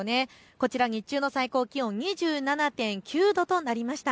こちらは日中の最高気温２７．９度となりました。